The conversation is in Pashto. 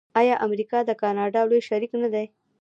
آیا امریکا د کاناډا لوی شریک نه دی؟